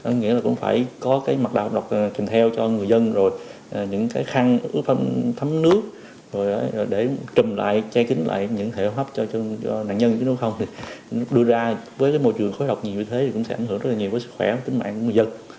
nó nghĩa là cũng phải có cái mặt đạo độc trình theo cho người dân rồi những cái khăn thấm nước rồi để trùm lại che kính lại những thể hóa hấp cho nạn nhân chứ nó không thì đưa ra với cái môi trường khối độc nhiều như thế thì cũng sẽ ảnh hưởng rất là nhiều với sức khỏe và tính mạng của người dân